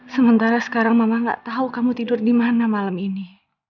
sementara sekarang mama gak tau kamu tidur dimana malam ini